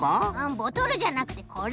ボトルじゃなくてこれ。